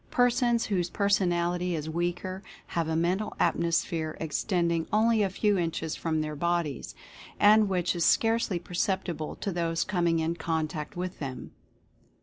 Persons whose personality is weaker have a Mental Atmosphere extending only a few inches from their bodies, and which is scarcely perceptible to those coming in contact with them.